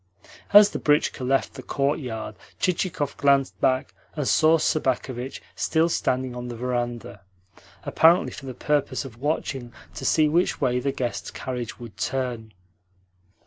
As the britchka left the courtyard Chichikov glanced back and saw Sobakevitch still standing on the verandah apparently for the purpose of watching to see which way the guest's carriage would turn.